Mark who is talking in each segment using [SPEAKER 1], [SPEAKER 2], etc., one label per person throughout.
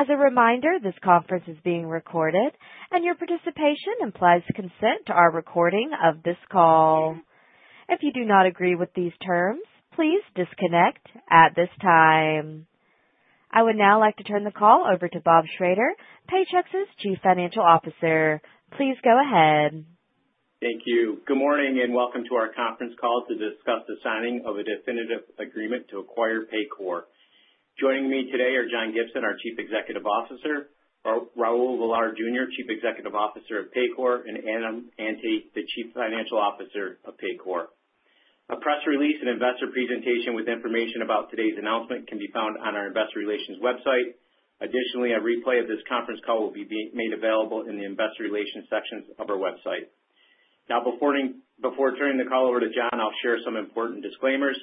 [SPEAKER 1] As a reminder, this conference is being recorded, and your participation implies consent to our recording of this call. If you do not agree with these terms, please disconnect at this time. I would now like to turn the call over to Bob Schrader, Paychex's Chief Financial Officer. Please go ahead.
[SPEAKER 2] Thank you. Good morning and welcome to our conference call to discuss the signing of a definitive agreement to acquire Paycor. Joining me today are John Gibson, our Chief Executive Officer, Raul Villar, Jr., Chief Executive Officer of Paycor, and Adam Ante, the Chief Financial Officer of Paycor. A press release and investor presentation with information about today's announcement can be found on our investor relations website. Additionally, a replay of this conference call will be made available in the investor relations sections of our website. Now, before turning the call over to John, I'll share some important disclaimers.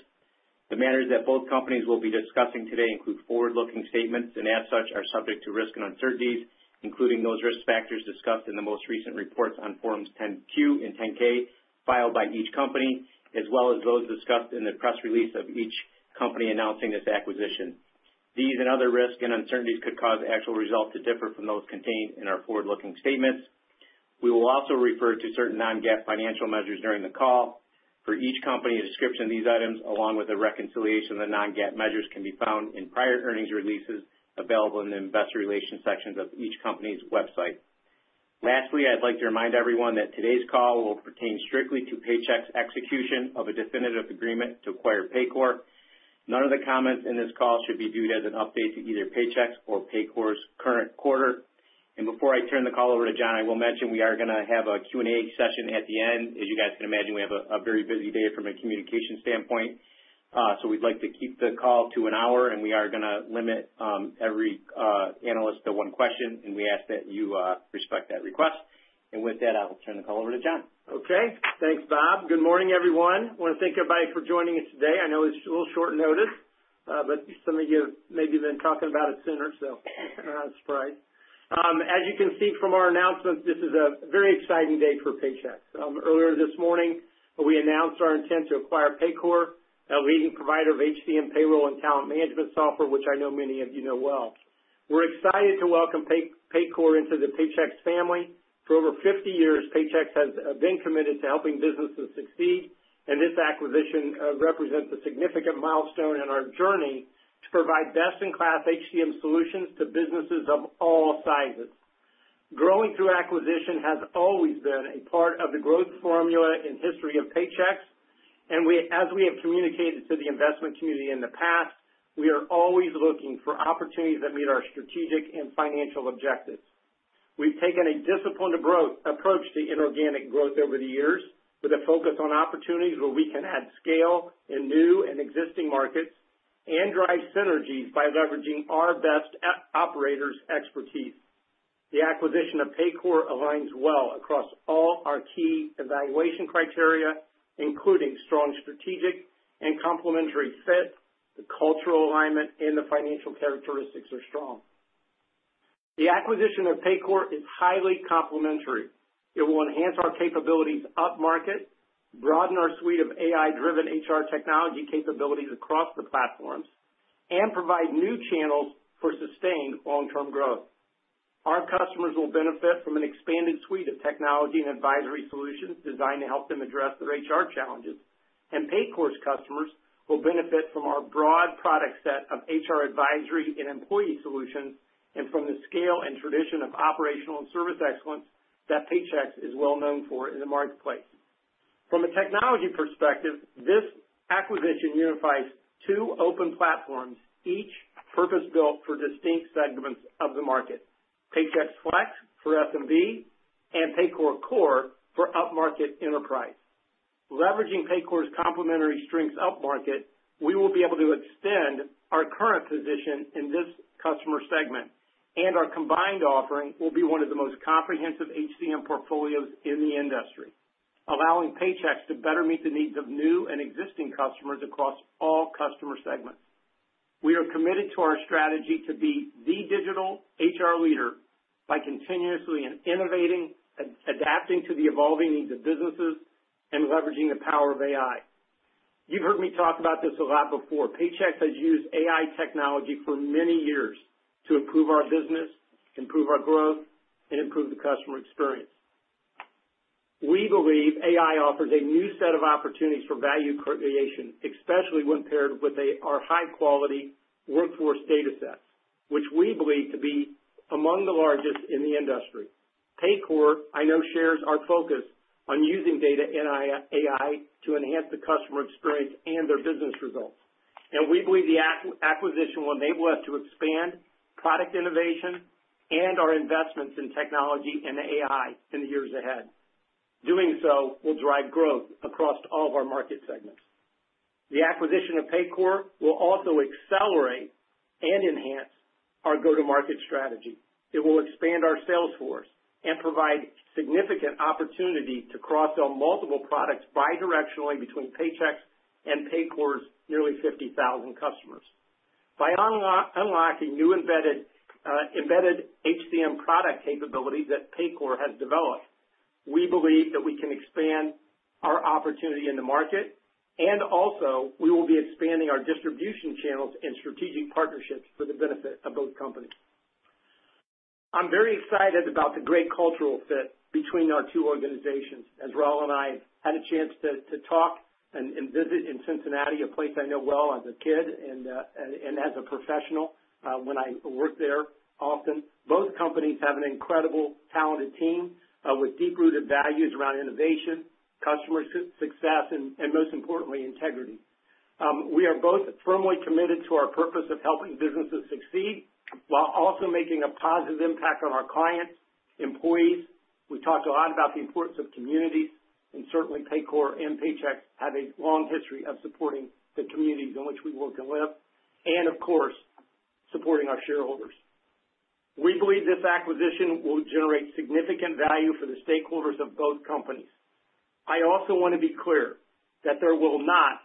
[SPEAKER 2] The matters that both companies will be discussing today include forward-looking statements and, as such, are subject to risk and uncertainties, including those risk factors discussed in the most recent reports on Forms 10-Q and 10-K filed by each company, as well as those discussed in the press release of each company announcing this acquisition. These and other risk and uncertainties could cause actual results to differ from those contained in our forward-looking statements. We will also refer to certain non-GAAP financial measures during the call. For each company, a description of these items, along with a reconciliation of the non-GAAP measures, can be found in prior earnings releases available in the investor relations sections of each company's website. Lastly, I'd like to remind everyone that today's call will pertain strictly to Paychex's execution of a definitive agreement to acquire Paycor. None of the comments in this call should be viewed as an update to either Paychex or Paycor's current quarter. And before I turn the call over to John, I will mention we are going to have a Q&A session at the end. As you guys can imagine, we have a very busy day from a communication standpoint, so we'd like to keep the call to an hour, and we are going to limit every analyst to one question, and we ask that you respect that request. And with that, I will turn the call over to John.
[SPEAKER 3] Okay. Thanks, Bob. Good morning, everyone. I want to thank everybody for joining us today. I know it's a little short notice, but some of you have maybe been talking about it sooner, so I'm not surprised. As you can see from our announcements, this is a very exciting day for Paychex. Earlier this morning, we announced our intent to acquire Paycor, a leading provider of HCM payroll and talent management software, which I know many of you know well. We're excited to welcome Paycor into the Paychex family. For over 50 years, Paychex has been committed to helping businesses succeed, and this acquisition represents a significant milestone in our journey to provide best-in-class HCM solutions to businesses of all sizes. Growing through acquisition has always been a part of the growth formula and history of Paychex, and as we have communicated to the investment community in the past, we are always looking for opportunities that meet our strategic and financial objectives. We've taken a disciplined approach to inorganic growth over the years, with a focus on opportunities where we can add scale in new and existing markets and drive synergies by leveraging our best operators' expertise. The acquisition of Paycor aligns well across all our key evaluation criteria, including strong strategic and complementary fit. The cultural alignment and the financial characteristics are strong. The acquisition of Paycor is highly complementary. It will enhance our capabilities up-market, broaden our suite of AI-driven HR technology capabilities across the platforms, and provide new channels for sustained long-term growth. Our customers will benefit from an expanded suite of technology and advisory solutions designed to help them address their HR challenges, and Paycor's customers will benefit from our broad product set of HR advisory and employee solutions and from the scale and tradition of operational and service excellence that Paychex is well known for in the marketplace. From a technology perspective, this acquisition unifies two open platforms, each purpose-built for distinct segments of the market: Paychex Flex for SMB and Paycor for up-market enterprise. Leveraging Paycor's complementary strengths up-market, we will be able to extend our current position in this customer segment, and our combined offering will be one of the most comprehensive HCM portfolios in the industry, allowing Paychex to better meet the needs of new and existing customers across all customer segments. We are committed to our strategy to be the digital HR leader by continuously innovating, adapting to the evolving needs of businesses, and leveraging the power of AI. You've heard me talk about this a lot before. Paychex has used AI technology for many years to improve our business, improve our growth, and improve the customer experience. We believe AI offers a new set of opportunities for value creation, especially when paired with our high-quality workforce data sets, which we believe to be among the largest in the industry. Paycor, I know, shares our focus on using data and AI to enhance the customer experience and their business results, and we believe the acquisition will enable us to expand product innovation and our investments in technology and AI in the years ahead. Doing so will drive growth across all of our market segments. The acquisition of Paycor will also accelerate and enhance our go-to-market strategy. It will expand our sales force and provide significant opportunity to cross-sell multiple products bidirectionally between Paychex and Paycor's nearly 50,000 customers. By unlocking new embedded HCM product capabilities that Paycor has developed, we believe that we can expand our opportunity in the market, and also we will be expanding our distribution channels and strategic partnerships for the benefit of both companies. I'm very excited about the great cultural fit between our two organizations. As Raul and I had a chance to talk and visit in Cincinnati, a place I know well as a kid and as a professional when I worked there often, both companies have an incredible, talented team with deep-rooted values around innovation, customer success, and most importantly, integrity. We are both firmly committed to our purpose of helping businesses succeed while also making a positive impact on our clients and employees. We talked a lot about the importance of communities, and certainly Paycor and Paychex have a long history of supporting the communities in which we work and live, and of course, supporting our shareholders. We believe this acquisition will generate significant value for the stakeholders of both companies. I also want to be clear that there will not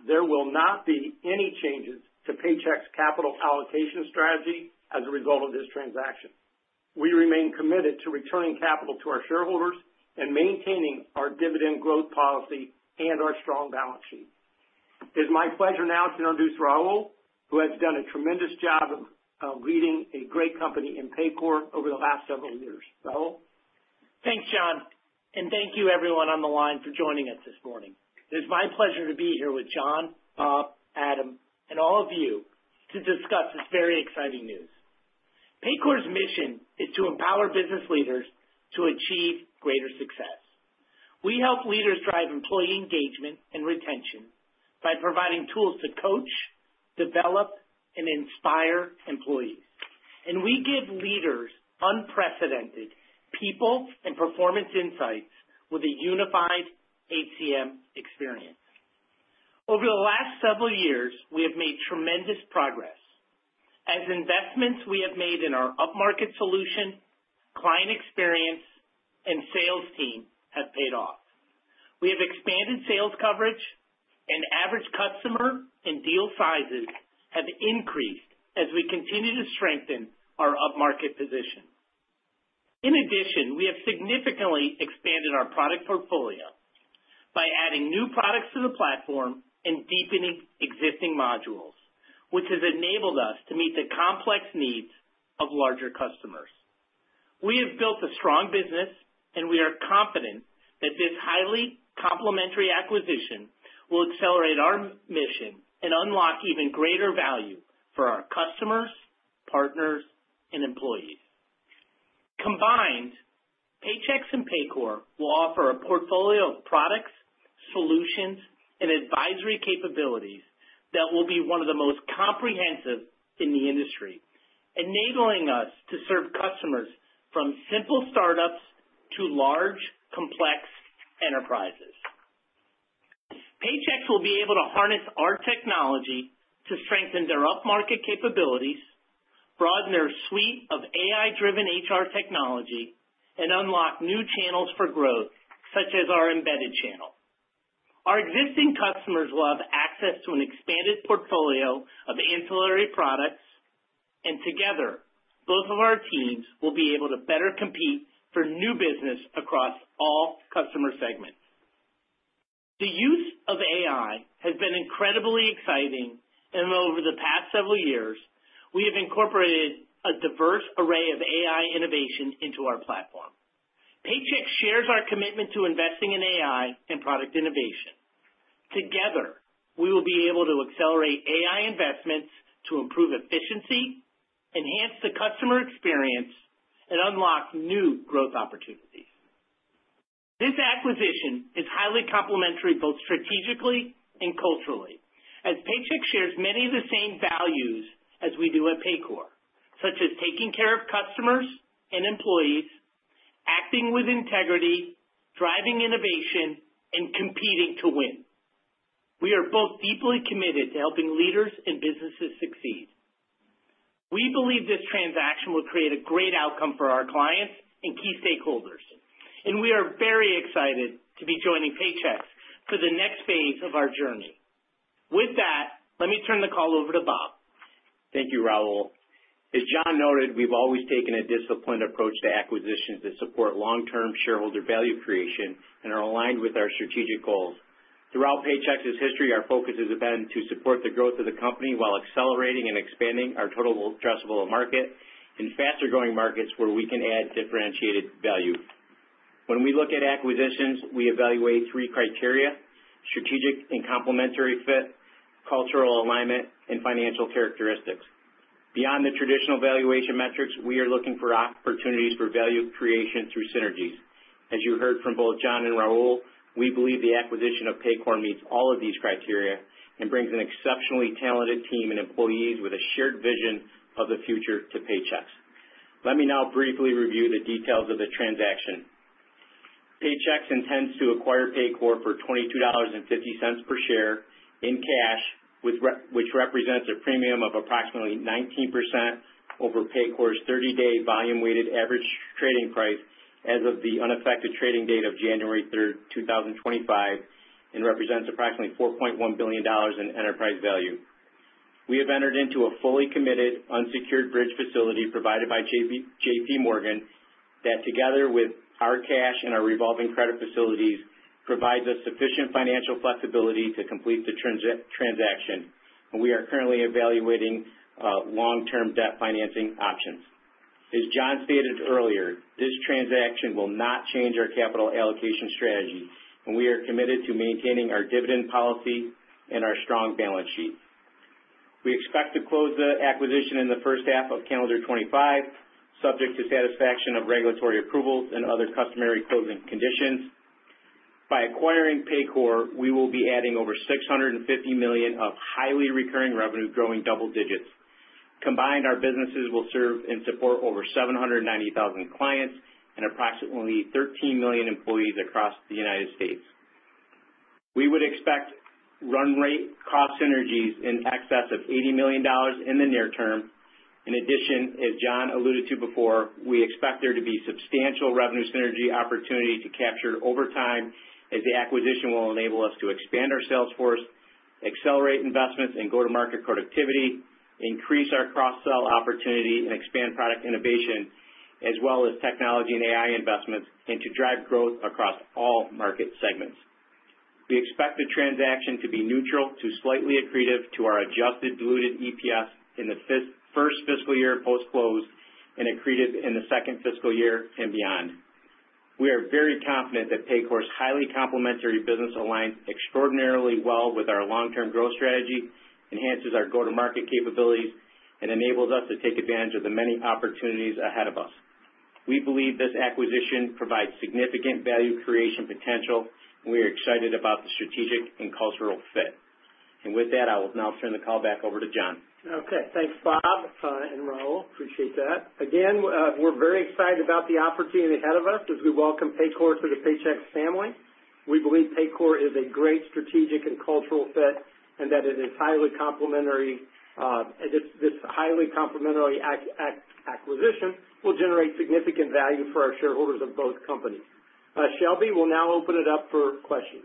[SPEAKER 3] be any changes to Paychex's capital allocation strategy as a result of this transaction. We remain committed to returning capital to our shareholders and maintaining our dividend growth policy and our strong balance sheet. It is my pleasure now to introduce Raul, who has done a tremendous job of leading a great company in Paycor over the last several years. Raul?
[SPEAKER 4] Thanks, John, and thank you, everyone on the line, for joining us this morning. It is my pleasure to be here with John, Bob, Adam, and all of you to discuss this very exciting news. Paycor's mission is to empower business leaders to achieve greater success. We help leaders drive employee engagement and retention by providing tools to coach, develop, and inspire employees, and we give leaders unprecedented people and performance insights with a unified HCM experience. Over the last several years, we have made tremendous progress as investments we have made in our up-market solution, client experience, and sales team have paid off. We have expanded sales coverage, and average customer and deal sizes have increased as we continue to strengthen our up-market position. In addition, we have significantly expanded our product portfolio by adding new products to the platform and deepening existing modules, which has enabled us to meet the complex needs of larger customers. We have built a strong business, and we are confident that this highly complementary acquisition will accelerate our mission and unlock even greater value for our customers, partners, and employees. Combined, Paychex and Paycor will offer a portfolio of products, solutions, and advisory capabilities that will be one of the most comprehensive in the industry, enabling us to serve customers from simple startups to large, complex enterprises. Paychex will be able to harness our technology to strengthen their up-market capabilities, broaden their suite of AI-driven HR technology, and unlock new channels for growth, such as our embedded channel. Our existing customers will have access to an expanded portfolio of ancillary products, and together, both of our teams will be able to better compete for new business across all customer segments. The use of AI has been incredibly exciting, and over the past several years, we have incorporated a diverse array of AI innovation into our platform. Paychex shares our commitment to investing in AI and product innovation. Together, we will be able to accelerate AI investments to improve efficiency, enhance the customer experience, and unlock new growth opportunities. This acquisition is highly complementary both strategically and culturally, as Paychex shares many of the same values as we do at Paycor, such as taking care of customers and employees, acting with integrity, driving innovation, and competing to win. We are both deeply committed to helping leaders and businesses succeed. We believe this transaction will create a great outcome for our clients and key stakeholders, and we are very excited to be joining Paychex for the next phase of our journey. With that, let me turn the call over to Bob.
[SPEAKER 2] Thank you, Raul. As John noted, we've always taken a disciplined approach to acquisitions that support long-term shareholder value creation and are aligned with our strategic goals. Throughout Paychex's history, our focus has been to support the growth of the company while accelerating and expanding our total addressable market in faster-growing markets where we can add differentiated value. When we look at acquisitions, we evaluate three criteria: strategic and complementary fit, cultural alignment, and financial characteristics. Beyond the traditional valuation metrics, we are looking for opportunities for value creation through synergies. As you heard from both John and Raul, we believe the acquisition of Paycor meets all of these criteria and brings an exceptionally talented team and employees with a shared vision of the future to Paychex. Let me now briefly review the details of the transaction. Paychex intends to acquire Paycor for $22.50 per share in cash, which represents a premium of approximately 19% over Paycor's 30-day volume-weighted average trading price as of the unaffected trading date of January 3, 2025, and represents approximately $4.1 billion in enterprise value. We have entered into a fully committed, unsecured bridge facility provided by JPMorgan that, together with our cash and our revolving credit facilities, provides us sufficient financial flexibility to complete the transaction, and we are currently evaluating long-term debt financing options. As John stated earlier, this transaction will not change our capital allocation strategy, and we are committed to maintaining our dividend policy and our strong balance sheet. We expect to close the acquisition in the first half of calendar 2025, subject to satisfaction of regulatory approvals and other customary closing conditions. By acquiring Paycor, we will be adding over $650 million of highly recurring revenue, growing double digits. Combined, our businesses will serve and support over 790,000 clients and approximately 13 million employees across the United States. We would expect run-rate cost synergies in excess of $80 million in the near term. In addition, as John alluded to before, we expect there to be substantial revenue synergy opportunity to capture over time as the acquisition will enable us to expand our sales force, accelerate investments and go-to-market productivity, increase our cross-sell opportunity, and expand product innovation, as well as technology and AI investments and to drive growth across all market segments. We expect the transaction to be neutral to slightly accretive to our adjusted diluted EPS in the first fiscal year post-close and accretive in the second fiscal year and beyond. We are very confident that Paycor's highly complementary business aligns extraordinarily well with our long-term growth strategy, enhances our go-to-market capabilities, and enables us to take advantage of the many opportunities ahead of us. We believe this acquisition provides significant value creation potential, and we are excited about the strategic and cultural fit, and with that, I will now turn the call back over to John.
[SPEAKER 3] Okay. Thanks, Bob and Raul. Appreciate that. Again, we're very excited about the opportunity ahead of us as we welcome Paycor to the Paychex family. We believe Paycor is a great strategic and cultural fit and that it is highly complementary. This highly complementary acquisition will generate significant value for our shareholders of both companies. Shelby, we'll now open it up for questions.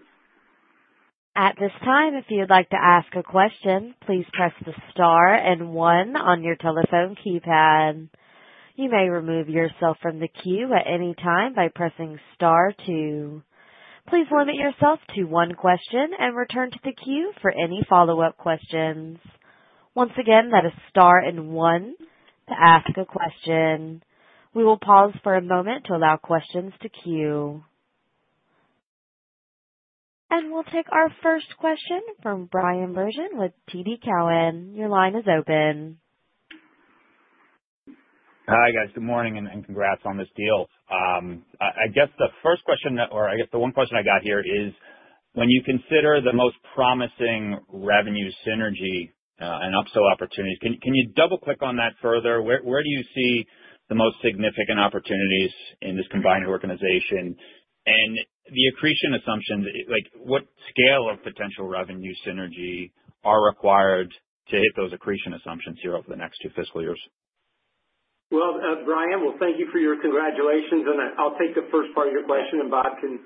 [SPEAKER 1] At this time, if you'd like to ask a question, please press the star and one on your telephone keypad. You may remove yourself from the queue at any time by pressing star two. Please limit yourself to one question and return to the queue for any follow-up questions. Once again, that is star and one to ask a question. We will pause for a moment to allow questions to queue. And we'll take our first question from Bryan Bergin with TD Cowen. Your line is open.
[SPEAKER 5] Hi, guys. Good morning and congrats on this deal. I guess the first question, or I guess the one question I got here is, when you consider the most promising revenue synergy and upsell opportunities, can you double-click on that further? Where do you see the most significant opportunities in this combined organization? And the accretion assumptions, what scale of potential revenue synergy are required to hit those accretion assumptions here over the next two fiscal years?
[SPEAKER 3] Well, Bryan, thank you for your congratulations, and I'll take the first part of your question, and Bob can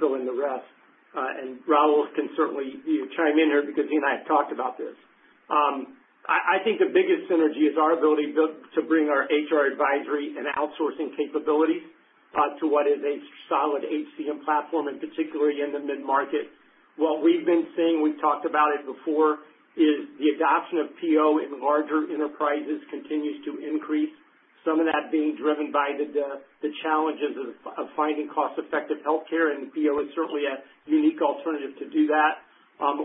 [SPEAKER 3] fill in the rest. Raul can certainly chime in here because he and I have talked about this. I think the biggest synergy is our ability to bring our HR advisory and outsourcing capabilities to what is a solid HCM platform, and particularly in the mid-market. What we've been seeing, we've talked about it before, is the adoption of PEO in larger enterprises continues to increase, some of that being driven by the challenges of finding cost-effective healthcare, and PEO is certainly a unique alternative to do that.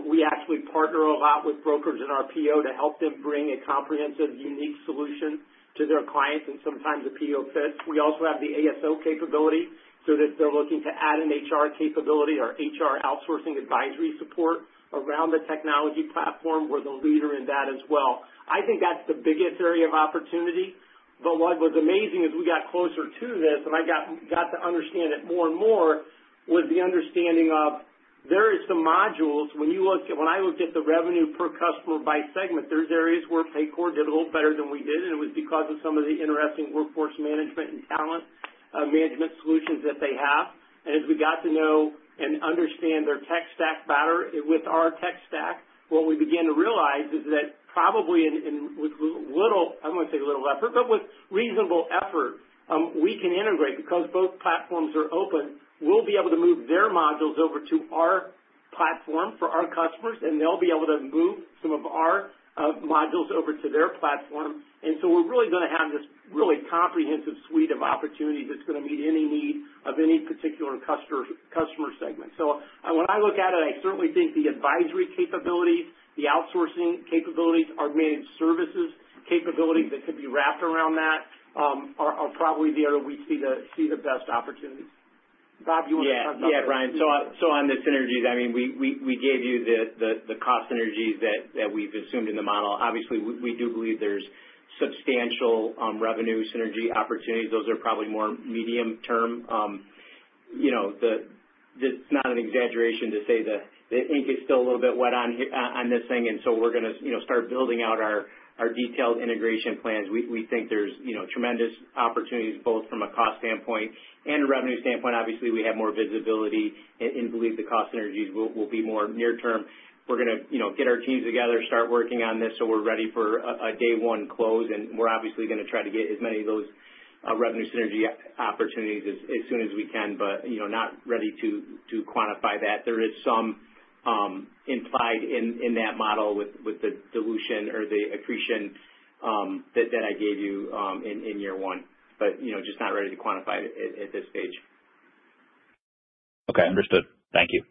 [SPEAKER 3] We actually partner a lot with brokers in our PEO to help them bring a comprehensive, unique solution to their clients and sometimes the PEO fit. We also have the ASO capability so that they're looking to add an HR capability or HR outsourcing advisory support around the technology platform. We're the leader in that as well. I think that's the biggest area of opportunity, but what was amazing as we got closer to this and I got to understand it more and more was the understanding that there are some modules. When I looked at the revenue per customer by segment, there are areas where Paycor did a little better than we did, and it was because of some of the interesting workforce management and talent management solutions that they have, and as we got to know and understand their tech stack better with our tech stack, what we began to realize is that probably with little, I'm going to say little effort, but with reasonable effort, we can integrate because both platforms are open. We'll be able to move their modules over to our platform for our customers, and they'll be able to move some of our modules over to their platform. And so we're really going to have this really comprehensive suite of opportunities that's going to meet any need of any particular customer segment. So when I look at it, I certainly think the advisory capabilities, the outsourcing capabilities, our managed services capabilities that could be wrapped around that are probably there where we see the best opportunities. Bob, you want to start?
[SPEAKER 2] Yeah, Bryan. So on the synergies, I mean, we gave you the cost synergies that we've assumed in the model. Obviously, we do believe there's substantial revenue synergy opportunities. Those are probably more medium term. It's not an exaggeration to say the ink is still a little bit wet on this thing, and so we're going to start building out our detailed integration plans. We think there's tremendous opportunities both from a cost standpoint and revenue standpoint. Obviously, we have more visibility and believe the cost synergies will be more near term. We're going to get our teams together, start working on this so we're ready for a day-one close, and we're obviously going to try to get as many of those revenue synergy opportunities as soon as we can, but not ready to quantify that. There is some implied in that model with the dilution or the accretion that I gave you in year one, but just not ready to quantify it at this stage.
[SPEAKER 5] Okay. Understood. Thank you.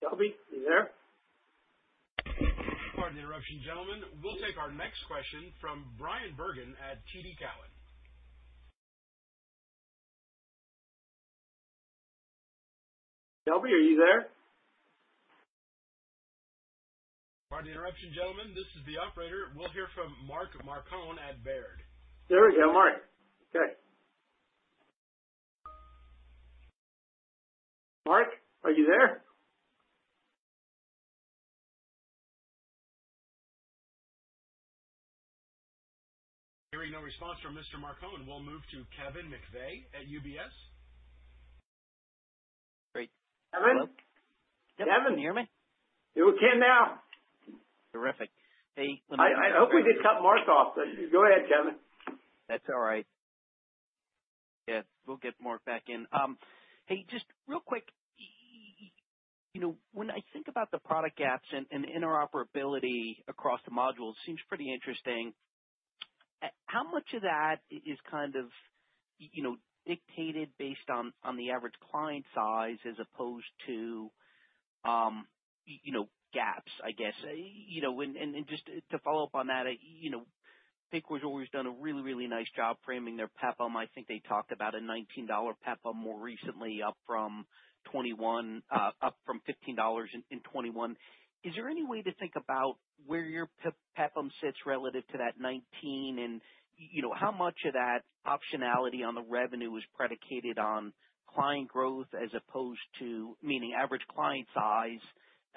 [SPEAKER 3] Shelby, are you there?
[SPEAKER 1] Pardon the interruption, gentlemen. We'll take our next question from Bryan Bergin at TD Cowen.
[SPEAKER 3] Shelby, are you there?
[SPEAKER 1] Pardon the interruption, gentlemen. This is the operator. We'll hear from Mark Marcon at Baird.
[SPEAKER 3] There we go. Mark. Okay. Mark, are you there?
[SPEAKER 1] Hearing no response from Mr. Marcon. We'll move to Kevin McVeigh at UBS.
[SPEAKER 6] Great.
[SPEAKER 3] Kevin?
[SPEAKER 2] Yep.
[SPEAKER 6] Kevin, you hear me?
[SPEAKER 3] You can now.
[SPEAKER 6] Terrific. Hey, let me ask you something.
[SPEAKER 3] I hope we did cut Mark off, but go ahead, Kevin.
[SPEAKER 6] That's all right. Yeah. We'll get Mark back in. Hey, just real quick, when I think about the product gaps and interoperability across the modules, it seems pretty interesting. How much of that is kind of dictated based on the average client size as opposed to gaps, I guess? And just to follow up on that, Paycor's always done a really, really nice job framing their PEPM. I think they talked about a $19 PEPM more recently, up from $15 in 2021. Is there any way to think about where your PEPM sits relative to that 19, and how much of that optionality on the revenue is predicated on client growth as opposed to, meaning average client size,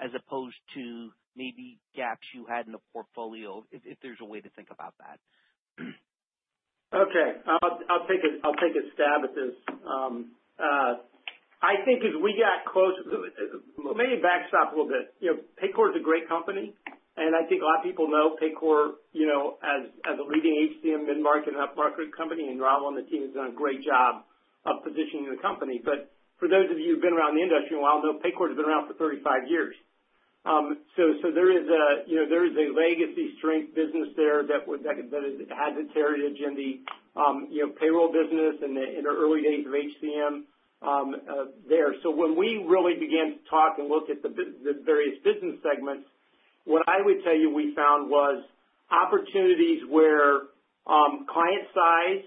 [SPEAKER 6] as opposed to maybe gaps you had in the portfolio, if there's a way to think about that?
[SPEAKER 3] Okay. I'll take a stab at this. I think as we got close, let me back up a little bit. Paycor is a great company, and I think a lot of people know Paycor as a leading HCM mid-market and up-market company, and Raul and the team have done a great job of positioning the company. But for those of you who've been around the industry a while, you know Paycor has been around for 35 years. So there is a legacy-strength business there that has its heritage in the payroll business and the early days of HCM there. So when we really began to talk and look at the various business segments, what I would tell you we found was opportunities where client size,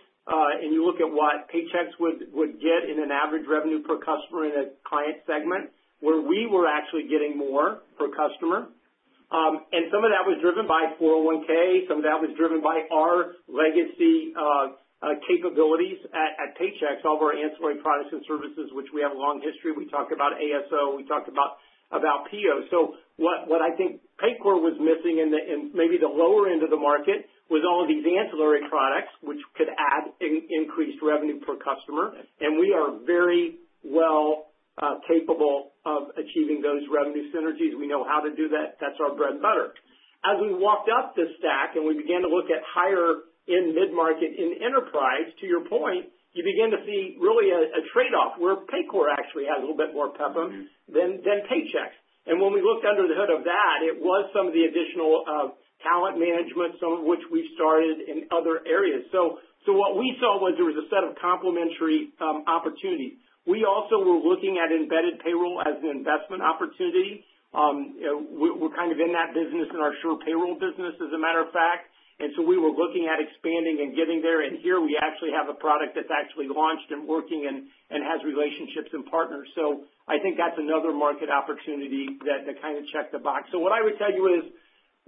[SPEAKER 3] and you look at what Paychex would get in an average revenue per customer in a client segment, where we were actually getting more per customer. Some of that was driven by 401(k). Some of that was driven by our legacy capabilities at Paychex, all of our ancillary products and services, which we have a long history. We talked about ASO. We talked about PEO. What I think Paycor was missing in maybe the lower end of the market was all of these ancillary products, which could add increased revenue per customer. We are very well capable of achieving those revenue synergies. We know how to do that. That's our bread and butter. As we walked up the stack and we began to look at higher in mid-market in enterprise, to your point, you begin to see really a trade-off where Paycor actually has a little bit more PEPM than Paychex. When we looked under the hood of that, it was some of the additional talent management, some of which we've started in other areas. So what we saw was there was a set of complementary opportunities. We also were looking at embedded payroll as an investment opportunity. We're kind of in that business in our SurePayroll business, as a matter of fact. And so we were looking at expanding and getting there. And here, we actually have a product that's actually launched and working and has relationships and partners. So I think that's another market opportunity that kind of checked the box. So what I would tell you is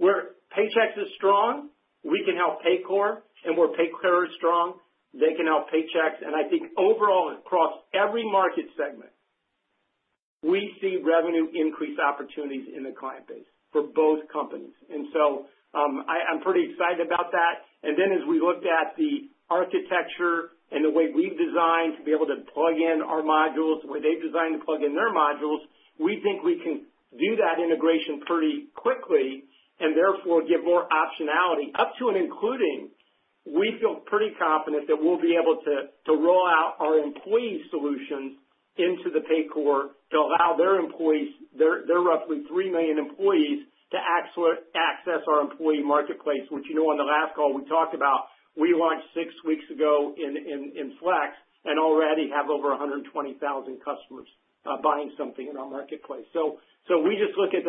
[SPEAKER 3] where Paychex is strong, we can help Paycor, and where Paycor is strong, they can help Paychex. And I think overall, across every market segment, we see revenue increase opportunities in the client base for both companies. And so I'm pretty excited about that. And then as we looked at the architecture and the way we've designed to be able to plug in our modules, the way they've designed to plug in their modules, we think we can do that integration pretty quickly and therefore give more optionality up to and including. We feel pretty confident that we'll be able to roll out our employee solutions into the Paycor to allow their employees, their roughly 3 million employees, to access our employee marketplace, which on the last call we talked about, we launched six weeks ago in Flex and already have over 120,000 customers buying something in our marketplace. So we just look at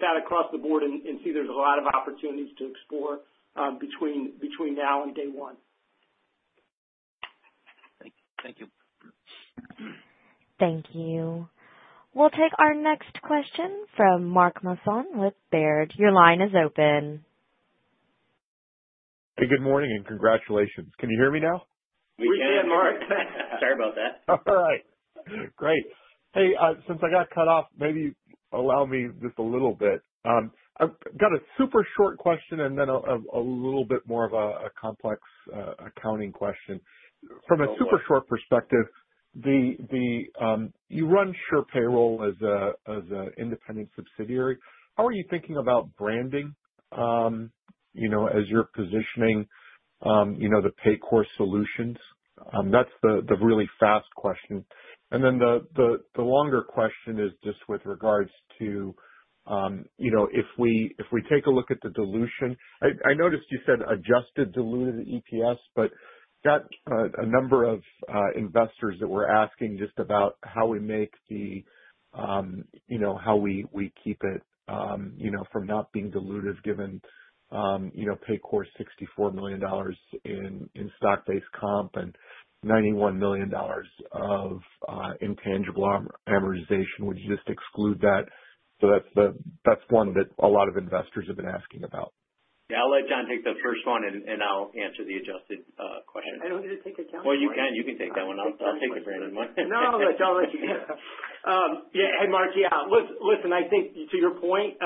[SPEAKER 3] that across the board and see there's a lot of opportunities to explore between now and day one.
[SPEAKER 6] Thank you.
[SPEAKER 1] Thank you. We'll take our next question from Mark Marcon with Baird. Your line is open.
[SPEAKER 7] Hey, good morning and congratulations. Can you hear me now?
[SPEAKER 4] We can.
[SPEAKER 3] We can, Mark. Sorry about that.
[SPEAKER 7] All right. Great. Hey, since I got cut off, maybe allow me just a little bit. I've got a super short question and then a little bit more of a complex accounting question. From a super short perspective, you run SurePayroll as an independent subsidiary. How are you thinking about branding as you're positioning the Paycor solutions? That's the really fast question. And then the longer question is just with regards to if we take a look at the dilution, I noticed you said adjusted diluted EPS, but got a number of investors that were asking just about how we keep it from not being diluted given Paycor's $64 million in stock-based comp and $91 million of intangible amortization. Would you just exclude that? So that's one that a lot of investors have been asking about.
[SPEAKER 5] Yeah. I'll let John take the first one, and I'll answer the adjusted question.
[SPEAKER 4] I don't get to take a count. Well, you can. You can take that one. I'll take the branded one.
[SPEAKER 3] No, that's all right. Yeah. Hey, Mark, yeah. Listen, I think to your point,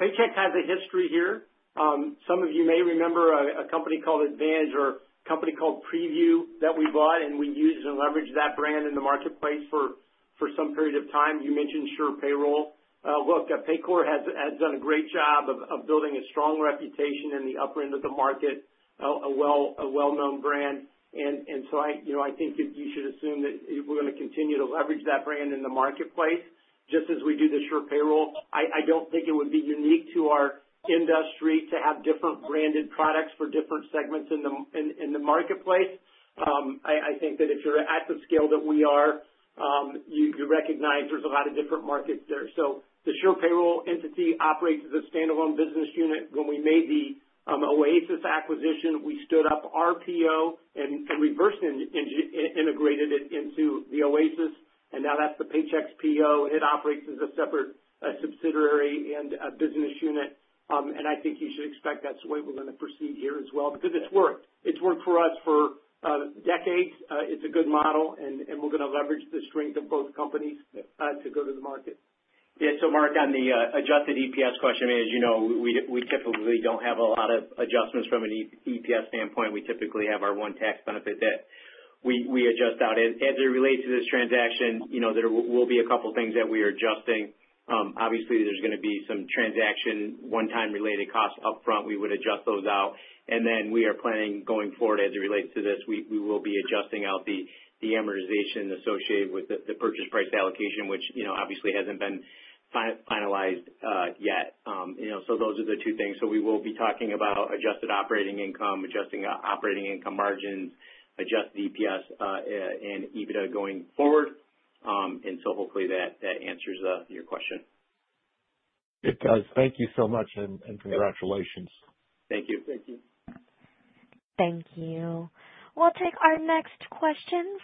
[SPEAKER 3] Paychex has a history here. Some of you may remember a company called Advantage or a company called Preview that we bought, and we used and leveraged that brand in the marketplace for some period of time. You mentioned SurePayroll. Look, Paycor has done a great job of building a strong reputation in the upper end of the market, a well-known brand. And so I think you should assume that we're going to continue to leverage that brand in the marketplace just as we do the SurePayroll. I don't think it would be unique to our industry to have different branded products for different segments in the marketplace. I think that if you're at the scale that we are, you recognize there's a lot of different markets there. So the SurePayroll entity operates as a standalone business unit. When we made the Oasis acquisition, we stood up our PEO and reverse integrated it into the Oasis. And now that's the Paychex PEO, and it operates as a separate subsidiary and business unit. And I think you should expect that's the way we're going to proceed here as well because it's worked. It's worked for us for decades. It's a good model, and we're going to leverage the strength of both companies to go to the market.
[SPEAKER 5] Yeah. So Mark, on the adjusted EPS question, as you know, we typically don't have a lot of adjustments from an EPS standpoint. We typically have our one tax benefit that we adjust out. As it relates to this transaction, there will be a couple of things that we are adjusting. Obviously, there's going to be some transaction one-time related costs upfront. We would adjust those out. And then we are planning going forward as it relates to this, we will be adjusting out the amortization associated with the purchase price allocation, which obviously hasn't been finalized yet. So those are the two things. So we will be talking about adjusted operating income, adjusting operating income margins, adjusted EPS, and EBITDA going forward. And so hopefully that answers your question.
[SPEAKER 7] It does. Thank you so much, and congratulations.
[SPEAKER 2] Thank you.
[SPEAKER 3] Thank you.
[SPEAKER 1] Thank you. We'll take our next question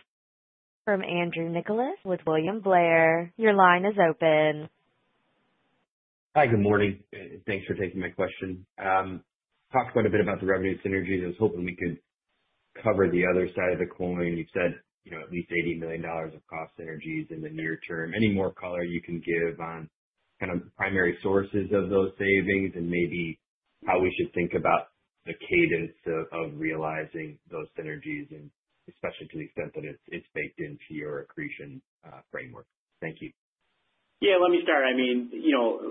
[SPEAKER 1] from Andrew Nicholas with William Blair. Your line is open.
[SPEAKER 8] Hi, good morning. Thanks for taking my question. Talked quite a bit about the revenue synergies. I was hoping we could cover the other side of the coin. You said at least $80 million of cost synergies in the near term. Any more color you can give on kind of primary sources of those savings and maybe how we should think about the cadence of realizing those synergies, and especially to the extent that it's baked into your accretion framework? Thank you.
[SPEAKER 2] Yeah. Let me start. I mean,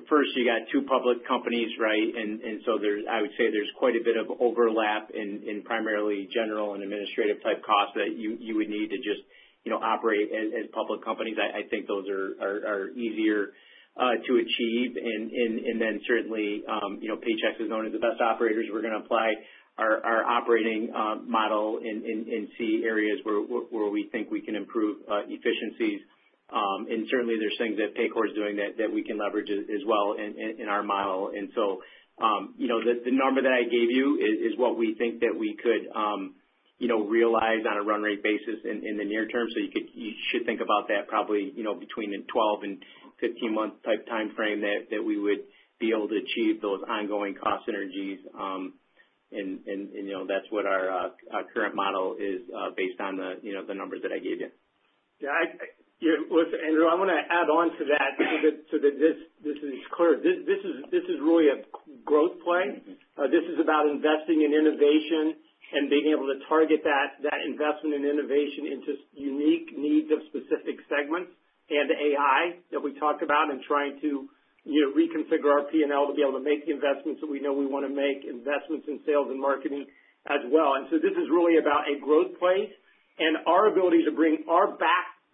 [SPEAKER 2] first, you got two public companies, right? And so I would say there's quite a bit of overlap in primarily general and administrative-type costs that you would need to just operate as public companies. I think those are easier to achieve. And then certainly, Paychex is known as the best operators. We're going to apply our operating model and see areas where we think we can improve efficiencies. And certainly, there's things that Paycor is doing that we can leverage as well in our model. And so the number that I gave you is what we think that we could realize on a run rate basis in the near term. So you should think about that probably between a 12 and 15-month type timeframe that we would be able to achieve those ongoing cost synergies. That's what our current model is based on the numbers that I gave you.
[SPEAKER 3] Yeah. Listen, Andrew, I want to add on to that so that this is clear. This is really a growth play. This is about investing in innovation and being able to target that investment in innovation into unique needs of specific segments and AI that we talked about and trying to reconfigure our P&L to be able to make the investments that we know we want to make, investments in sales and marketing as well. And so this is really about a growth play and our ability to bring our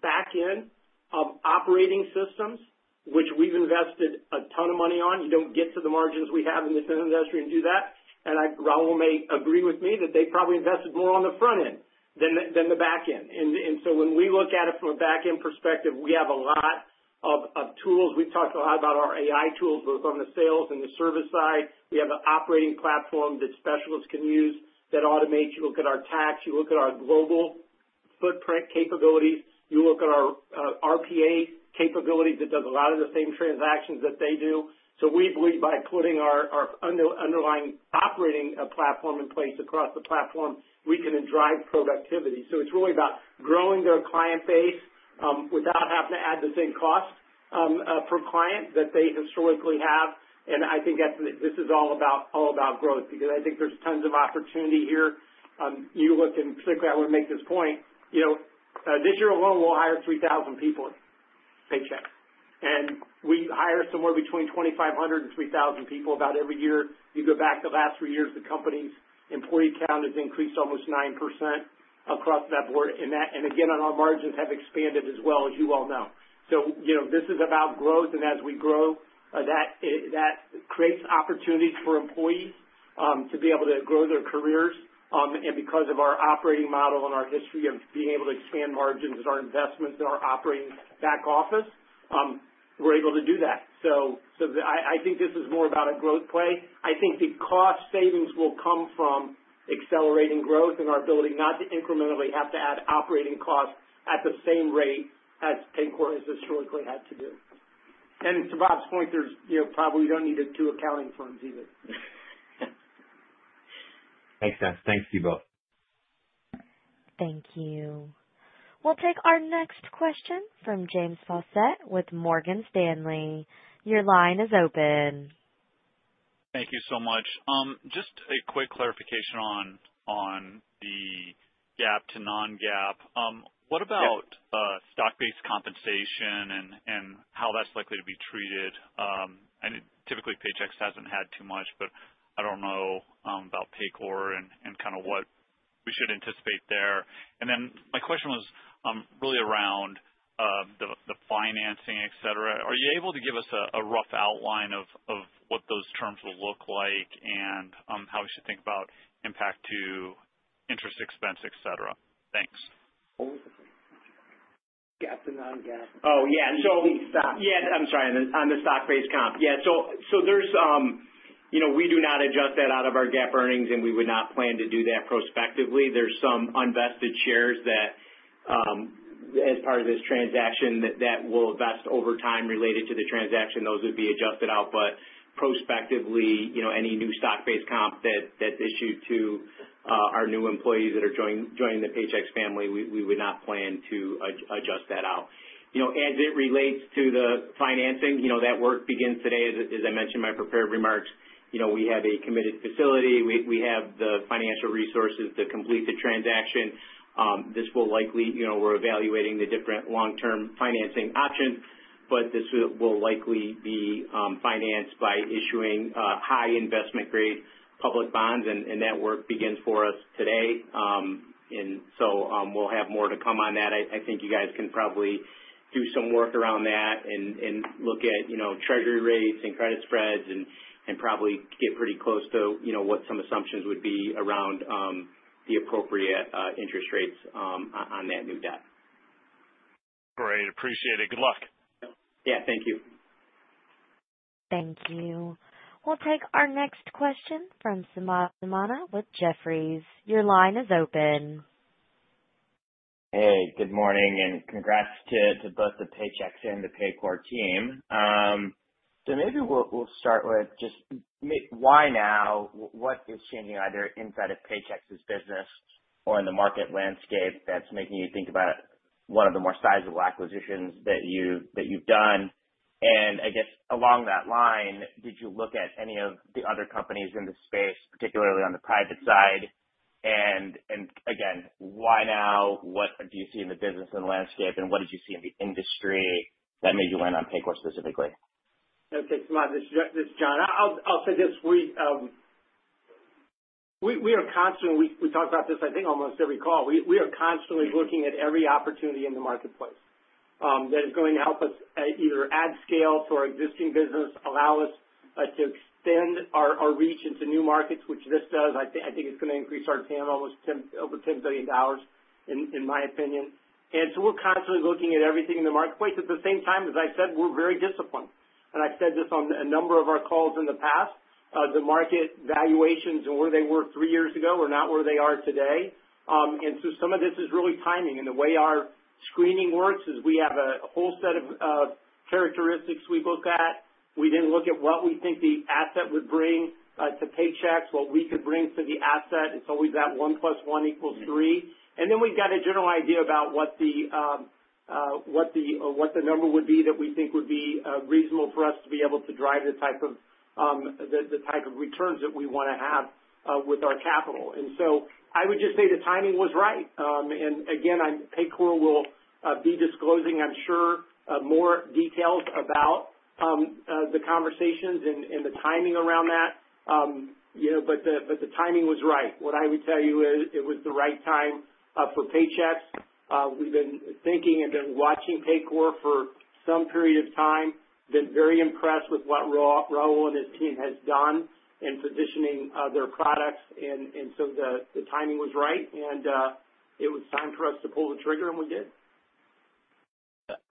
[SPEAKER 3] backend of operating systems, which we've invested a ton of money on. You don't get to the margins we have in this industry and do that. And Raul may agree with me that they probably invested more on the front end than the backend. And so when we look at it from a backend perspective, we have a lot of tools. We've talked a lot about our AI tools, both on the sales and the service side. We have an operating platform that specialists can use that automates you. You look at our tax. You look at our global footprint capabilities. You look at our RPA capabilities that does a lot of the same transactions that they do. So we believe by putting our underlying operating platform in place across the platform, we can drive productivity. So it's really about growing their client base without having to add the same cost per client that they historically have. And I think this is all about growth because I think there's tons of opportunity here. You look and particularly, I want to make this point. This year alone, we'll hire 3,000 people at Paychex. And we hire somewhere between 2,500 and 3,000 people about every year. You go back the last three years, the company's employee count has increased almost 9% across the board. And again, our margins have expanded as well, as you all know. So this is about growth. And as we grow, that creates opportunities for employees to be able to grow their careers. And because of our operating model and our history of being able to expand margins and our investments in our operating back office, we're able to do that. So I think this is more about a growth play. I think the cost savings will come from accelerating growth and our ability not to incrementally have to add operating costs at the same rate as Paycor has historically had to do. And to Bob's point, there's probably we don't need two accounting firms either.
[SPEAKER 8] Makes sense. Thanks, you both.
[SPEAKER 1] Thank you. We'll take our next question from James Faucette with Morgan Stanley. Your line is open.
[SPEAKER 9] Thank you so much. Just a quick clarification on the GAAP to non-GAAP. What about stock-based compensation and how that's likely to be treated? I mean, typically, Paychex hasn't had too much, but I don't know about Paycor and kind of what we should anticipate there. And then my question was really around the financing, etc. Are you able to give us a rough outline of what those terms will look like and how we should think about impact to interest expense, etc.? Thanks.
[SPEAKER 3] GAAP to non-GAAP.
[SPEAKER 2] Oh, yeah.
[SPEAKER 3] Stocks.
[SPEAKER 2] Yeah. I'm sorry. On the stock-based comp. Yeah. So we do not adjust that out of our GAAP earnings, and we would not plan to do that prospectively. There's some unvested shares that, as part of this transaction, will vest over time related to the transaction. Those would be adjusted out. But prospectively, any new stock-based comp that's issued to our new employees that are joining the Paychex family, we would not plan to adjust that out. As it relates to the financing, that work begins today. As I mentioned in my prepared remarks, we have a committed facility. We have the financial resources to complete the transaction. This will likely. We're evaluating the different long-term financing options, but this will likely be financed by issuing high investment-grade public bonds. And that work begins for us today. And so we'll have more to come on that. I think you guys can probably do some work around that and look at treasury rates and credit spreads and probably get pretty close to what some assumptions would be around the appropriate interest rates on that new debt.
[SPEAKER 9] Great. Appreciate it. Good luck.
[SPEAKER 2] Yeah. Thank you.
[SPEAKER 1] Thank you. We'll take our next question from Samad Samana with Jefferies. Your line is open.
[SPEAKER 10] Hey, good morning, and congrats to both the Paychex and the Paycor team. So maybe we'll start with just why now? What is changing either inside of Paychex's business or in the market landscape that's making you think about one of the more sizable acquisitions that you've done? And I guess along that line, did you look at any of the other companies in the space, particularly on the private side? And again, why now? What do you see in the business and landscape? And what did you see in the industry that made you land on Paycor specifically?
[SPEAKER 3] Okay. This is John. I'll say this. We are constantly. We talked about this, I think, almost every call. We are constantly looking at every opportunity in the marketplace that is going to help us either add scale to our existing business, allow us to extend our reach into new markets, which this does. I think it's going to increase our TAM almost over $10 billion, in my opinion, and so we're constantly looking at everything in the marketplace. At the same time, as I said, we're very disciplined, and I've said this on a number of our calls in the past. The market valuations and where they were three years ago are not where they are today, and so some of this is really timing. The way our screening works is we have a whole set of characteristics we look at. We then look at what we think the asset would bring to Paychex, what we could bring to the asset. It's always that one plus one equals three, and then we've got a general idea about what the number would be that we think would be reasonable for us to be able to drive the type of returns that we want to have with our capital, and so I would just say the timing was right, and again, Paycor will be disclosing, I'm sure, more details about the conversations and the timing around that, but the timing was right. What I would tell you is it was the right time for Paychex. We've been thinking and been watching Paycor for some period of time, been very impressed with what Raul and his team has done in positioning their products. The timing was right, and it was time for us to pull the trigger, and we did.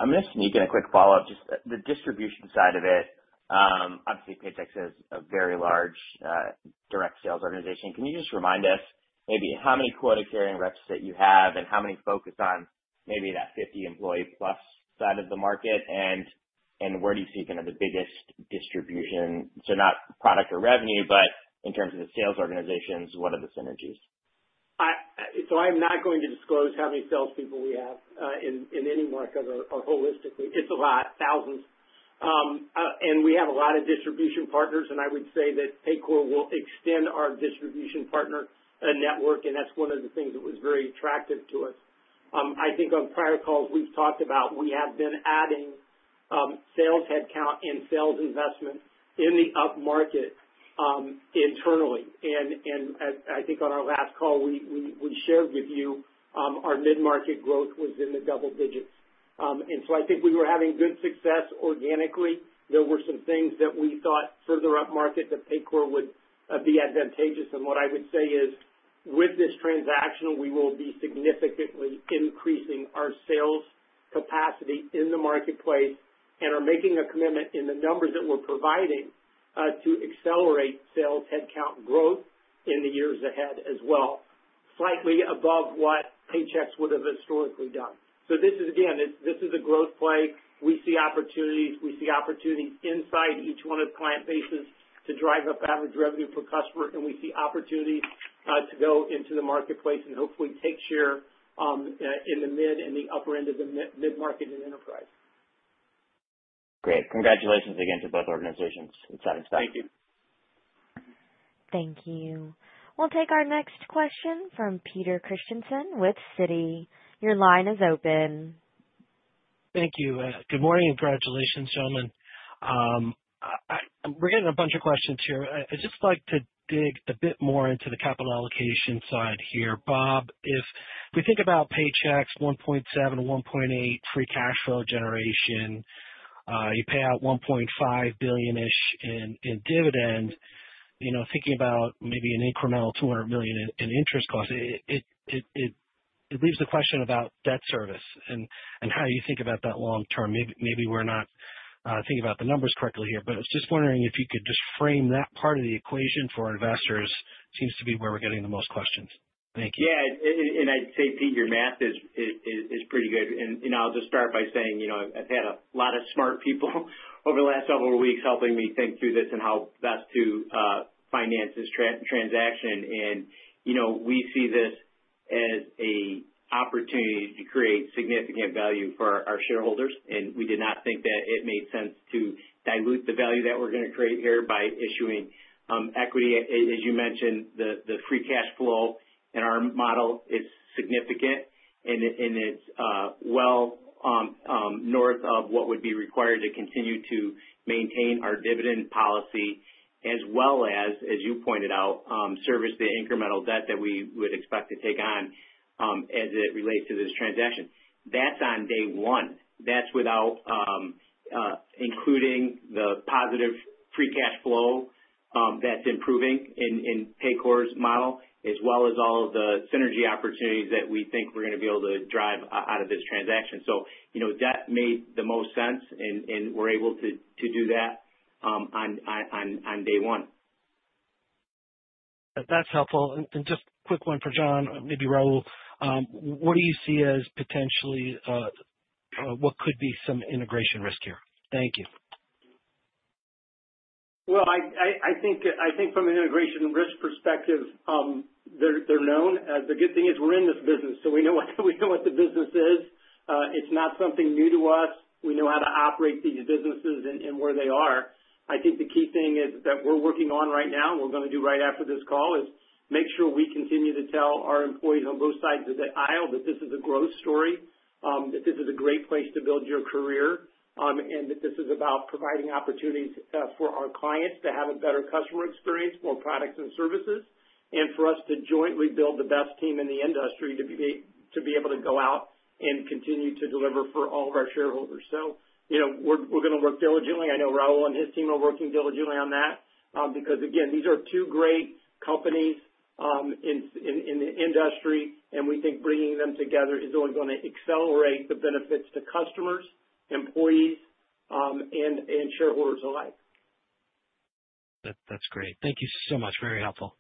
[SPEAKER 10] I'm just sneaking a quick follow-up. Just the distribution side of it. Obviously, Paychex is a very large direct sales organization. Can you just remind us maybe how many quota-carrying reps that you have and how many focus on maybe that 50-employee-plus side of the market? And where do you see kind of the biggest distribution? So not product or revenue, but in terms of the sales organizations, what are the synergies?
[SPEAKER 3] I'm not going to disclose how many salespeople we have in any market or holistically. It's a lot, thousands. And we have a lot of distribution partners, and I would say that Paycor will extend our distribution partner network. And that's one of the things that was very attractive to us. I think on prior calls, we've talked about we have been adding sales headcount and sales investment in the up market internally. And I think on our last call, we shared with you our mid-market growth was in the double digits. And so I think we were having good success organically. There were some things that we thought further up market that Paycor would be advantageous. And what I would say is, with this transaction, we will be significantly increasing our sales capacity in the marketplace and are making a commitment in the numbers that we're providing to accelerate sales headcount growth in the years ahead as well, slightly above what Paychex would have historically done. So this is, again, this is a growth play. We see opportunities. We see opportunities inside each one of the client bases to drive up average revenue per customer. And we see opportunities to go into the marketplace and hopefully take share in the mid and the upper end of the mid-market and enterprise.
[SPEAKER 10] Great. Congratulations again to both organizations. It's satisfying.
[SPEAKER 3] Thank you.
[SPEAKER 1] Thank you. We'll take our next question from Peter Christiansen with Citi. Your line is open.
[SPEAKER 11] Thank you. Good morning and congratulations, gentlemen. We're getting a bunch of questions here. I'd just like to dig a bit more into the capital allocation side here. Bob, if we think about Paychex $1.7-$1.8 billion free cash flow generation, you pay out $1.5 billion-ish in dividend, thinking about maybe an incremental $200 million in interest costs, it leaves the question about debt service and how you think about that long term. Maybe we're not thinking about the numbers correctly here, but I was just wondering if you could just frame that part of the equation for investors. Seems to be where we're getting the most questions. Thank you.
[SPEAKER 2] Yeah. And I'd say, Pete, your math is pretty good. And I'll just start by saying I've had a lot of smart people over the last several weeks helping me think through this and how best to finance this transaction. And we see this as an opportunity to create significant value for our shareholders. And we did not think that it made sense to dilute the value that we're going to create here by issuing equity. As you mentioned, the free cash flow in our model is significant, and it's well north of what would be required to continue to maintain our dividend policy, as well as, as you pointed out, service the incremental debt that we would expect to take on as it relates to this transaction. That's on day one. That's without including the positive free cash flow that's improving in Paycor's model, as well as all of the synergy opportunities that we think we're going to be able to drive out of this transaction, so that made the most sense, and we're able to do that on day one.
[SPEAKER 11] That's helpful. And just a quick one for John, maybe Raul. What do you see as potentially what could be some integration risk here? Thank you.
[SPEAKER 3] Well, I think from an integration risk perspective, they're known. The good thing is we're in this business, so we know what the business is. It's not something new to us. We know how to operate these businesses and where they are. I think the key thing is that we're working on right now, and we're going to do right after this call, is make sure we continue to tell our employees on both sides of the aisle that this is a growth story, that this is a great place to build your career, and that this is about providing opportunities for our clients to have a better customer experience, more products and services, and for us to jointly build the best team in the industry to be able to go out and continue to deliver for all of our shareholders. So we're going to work diligently. I know Raul and his team are working diligently on that because, again, these are two great companies in the industry, and we think bringing them together is only going to accelerate the benefits to customers, employees, and shareholders alike.
[SPEAKER 11] That's great. Thank you so much. Very helpful.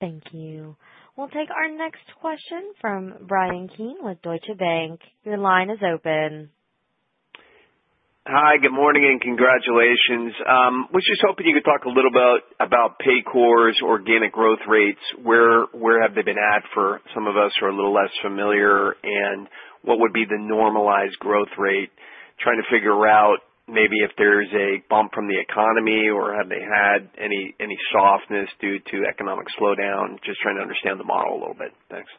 [SPEAKER 1] Thank you. We'll take our next question from Bryan Keane with Deutsche Bank. Your line is open.
[SPEAKER 12] Hi. Good morning and congratulations. I was just hoping you could talk a little about Paycor's organic growth rates. Where have they been at for some of us who are a little less familiar, and what would be the normalized growth rate? Trying to figure out maybe if there's a bump from the economy or have they had any softness due to economic slowdown. Just trying to understand the model a little bit. Thanks.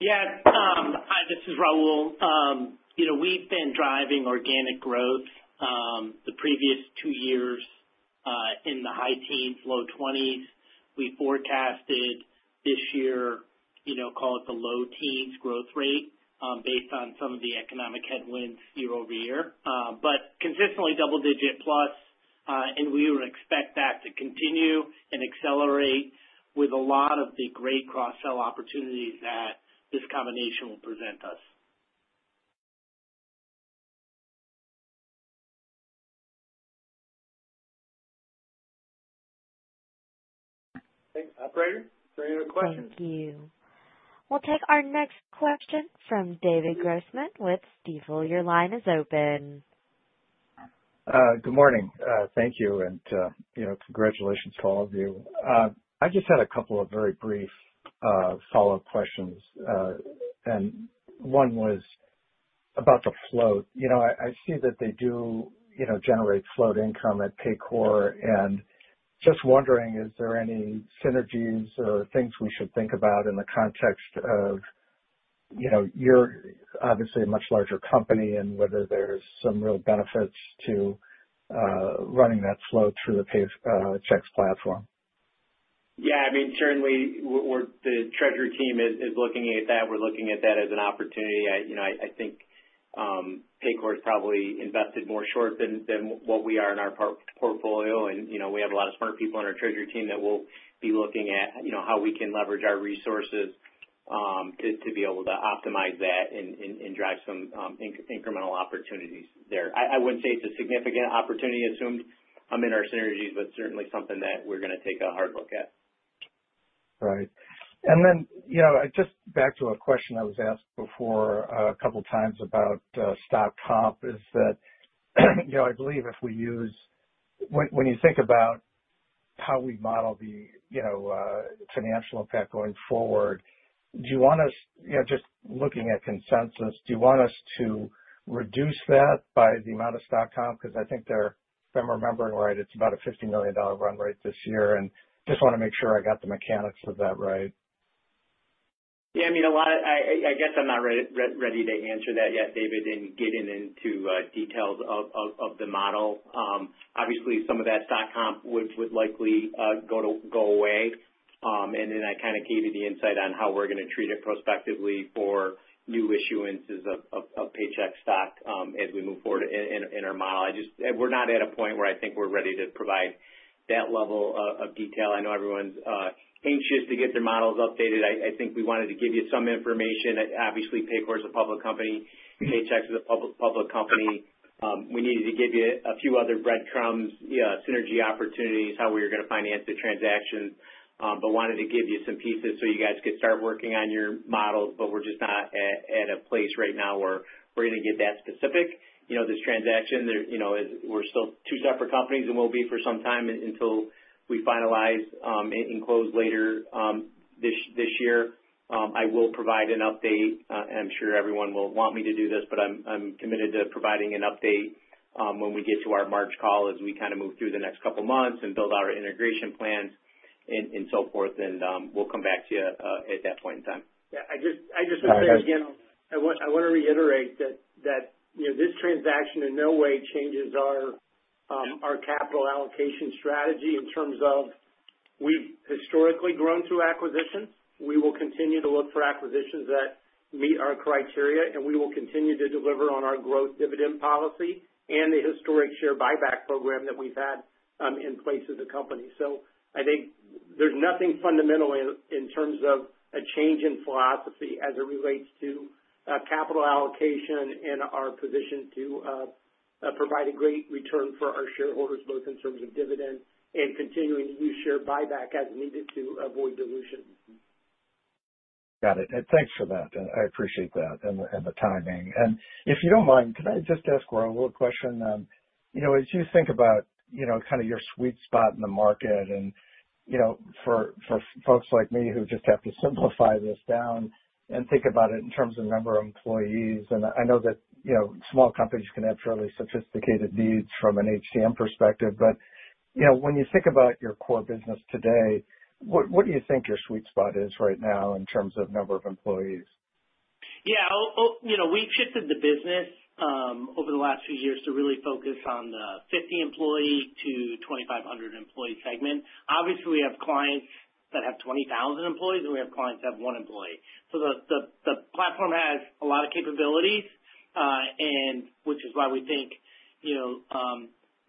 [SPEAKER 4] Yeah. Hi, this is Raul. We've been driving organic growth the previous two years in the high teens, low 20s. We forecasted this year, call it the low teens, growth rate based on some of the economic headwinds year-over-year, but consistently double-digit-plus, and we would expect that to continue and accelerate with a lot of the great cross-sell opportunities that this combination will present us.
[SPEAKER 2] Thanks, operator. Very good questions.
[SPEAKER 1] Thank you. We'll take our next question from David Grossman with Stifel. Your line is open.
[SPEAKER 13] Good morning. Thank you. And congratulations to all of you. I just had a couple of very brief follow-up questions. And one was about the float. I see that they do generate float income at Paycor. And just wondering, is there any synergies or things we should think about in the context of you're obviously a much larger company and whether there's some real benefits to running that float through the Paychex platform?
[SPEAKER 2] Yeah. I mean, certainly, the treasury team is looking at that. We're looking at that as an opportunity. I think Paycor has probably invested more short than what we are in our portfolio. And we have a lot of smart people on our treasury team that will be looking at how we can leverage our resources to be able to optimize that and drive some incremental opportunities there. I wouldn't say it's a significant opportunity assumed in our synergies, but certainly something that we're going to take a hard look at.
[SPEAKER 13] Right. And then just back to a question I was asked before a couple of times about stock comp is that I believe if we use when you think about how we model the financial impact going forward, do you want us just looking at consensus, do you want us to reduce that by the amount of stock comp? Because I think there, if I'm remembering right, it's about a $50 million run rate this year. And just want to make sure I got the mechanics of that right.
[SPEAKER 2] Yeah. I mean, a lot of. I guess I'm not ready to answer that yet, David, and get into details of the model. Obviously, some of that stock comp would likely go away. And then I kind of gave you the insight on how we're going to treat it prospectively for new issuances of Paychex stock as we move forward in our model. We're not at a point where I think we're ready to provide that level of detail. I know everyone's anxious to get their models updated. I think we wanted to give you some information. Obviously, Paycor is a public company. Paychex is a public company. We needed to give you a few other breadcrumbs, synergy opportunities, how we were going to finance the transaction, but wanted to give you some pieces so you guys could start working on your models. But we're just not at a place right now where we're going to get that specific. This transaction, we're still two separate companies and will be for some time until we finalize and close later this year. I will provide an update. I'm sure everyone will want me to do this, but I'm committed to providing an update when we get to our March call as we kind of move through the next couple of months and build our integration plans and so forth. And we'll come back to you at that point in time.
[SPEAKER 3] Yeah. I just want to say again. I want to reiterate that this transaction in no way changes our capital allocation strategy in terms of we've historically grown through acquisitions. We will continue to look for acquisitions that meet our criteria, and we will continue to deliver on our growth dividend policy and the historic share buyback program that we've had in place as a company. So I think there's nothing fundamentally in terms of a change in philosophy as it relates to capital allocation and our position to provide a great return for our shareholders, both in terms of dividend and continuing to use share buyback as needed to avoid dilution.
[SPEAKER 13] Got it. And thanks for that. I appreciate that and the timing. And if you don't mind, can I just ask Raul a question? As you think about kind of your sweet spot in the market and for folks like me who just have to simplify this down and think about it in terms of number of employees, and I know that small companies can have fairly sophisticated needs from an HCM perspective, but when you think about your core business today, what do you think your sweet spot is right now in terms of number of employees?
[SPEAKER 4] Yeah. We've shifted the business over the last few years to really focus on the 50-employee to 2,500-employee segment. Obviously, we have clients that have 20,000 employees, and we have clients that have one employee. So the platform has a lot of capabilities, which is why we think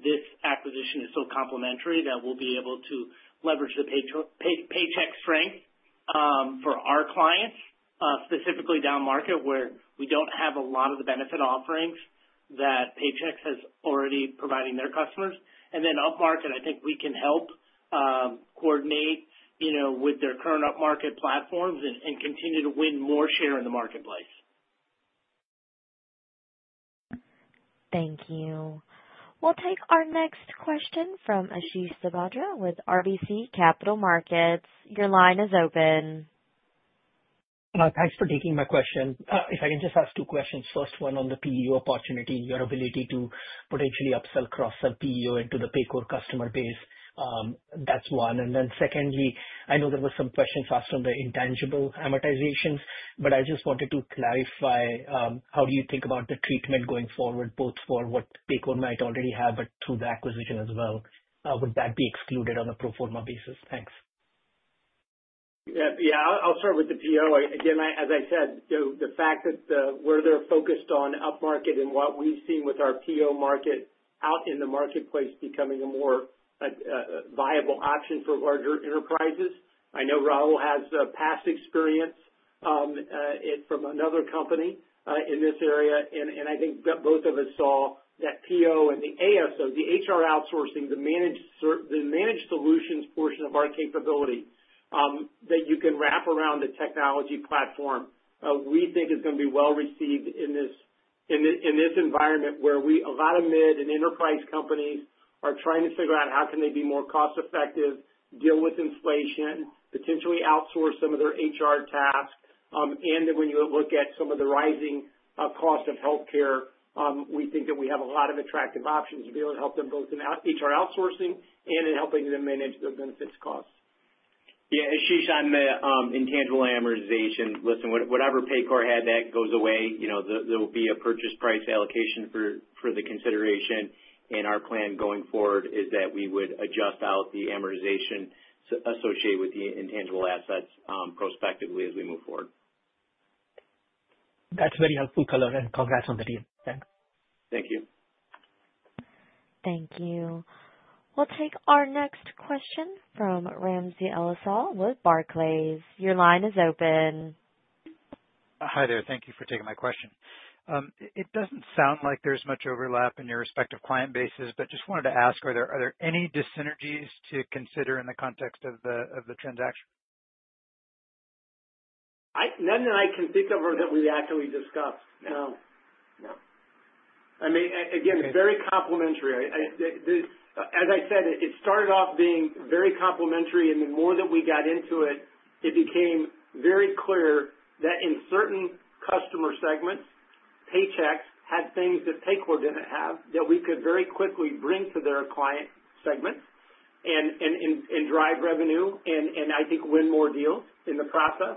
[SPEAKER 4] this acquisition is so complementary that we'll be able to leverage the Paychex strength for our clients, specifically down market, where we don't have a lot of the benefit offerings that Paychex has already providing their customers. And then up market, I think we can help coordinate with their current up market platforms and continue to win more share in the marketplace.
[SPEAKER 1] Thank you. We'll take our next question from Ashish Sabadra with RBC Capital Markets. Your line is open.
[SPEAKER 14] Thanks for taking my question. If I can just ask two questions. First, one on the PEO opportunity, your ability to potentially upsell, cross-sell PEO into the Paycor customer base. That's one. And then secondly, I know there were some questions asked on the intangible amortizations, but I just wanted to clarify, how do you think about the treatment going forward, both for what Paycor might already have, but through the acquisition as well? Would that be excluded on a pro forma basis? Thanks.
[SPEAKER 3] Yeah. I'll start with the PEO. Again, as I said, the fact that we're focused on up market and what we've seen with our PEO market out in the marketplace becoming a more viable option for larger enterprises. I know Raul has past experience from another company in this area. And I think both of us saw that PEO and the HR outsourcing, the managed solutions portion of our capability that you can wrap around the technology platform. We think is going to be well received in this environment where a lot of mid and enterprise companies are trying to figure out how can they be more cost-effective, deal with inflation, potentially outsource some of their HR tasks. When you look at some of the rising cost of healthcare, we think that we have a lot of attractive options to be able to help them both in HR outsourcing and in helping them manage their benefits costs.
[SPEAKER 2] Yeah. Ashish, on the intangible amortization, listen, whatever Paycor had that goes away, there will be a purchase price allocation for the consideration. And our plan going forward is that we would adjust out the amortization associated with the intangible assets prospectively as we move forward.
[SPEAKER 14] That's very helpful, caller. And congrats on the team. Thanks.
[SPEAKER 5] Thank you.
[SPEAKER 1] Thank you. We'll take our next question from Ramsey El-Assal with Barclays. Your line is open.
[SPEAKER 15] Hi there. Thank you for taking my question. It doesn't sound like there's much overlap in your respective client bases, but just wanted to ask, are there any synergies to consider in the context of the transaction?
[SPEAKER 3] None that I can think of or that we've actually discussed. No. No. I mean, again, very complementary, as I said. It started off being very complementary, and the more that we got into it, it became very clear that in certain customer segments, Paychex had things that Paycor didn't have that we could very quickly bring to their client segments and drive revenue and I think win more deals in the process,